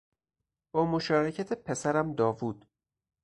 با مشارکت پسرم داوود